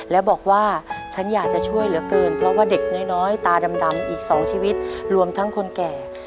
และบอกว่าฉันอยากจะช่วยเหลือเกินเพราะว่าเด็กน้อยตาดำอีก๒ชีวิตรวมทั้งคนแก่